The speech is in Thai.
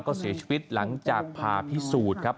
ก็เสียชีวิตหลังจากพาพี่สูตรครับ